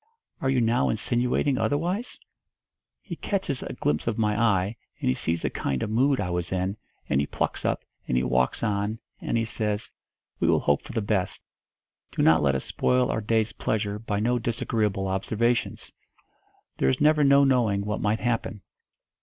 Are you now insinuating otherwise?' He catches a glimpse of my eye, and he sees the kind of mood I was in, and he plucks up, and he walks on, and he says, 'We will hope for the best. Do not let us spoil our day's pleasure by no disagreeable observations. There is never no knowing what might happen.'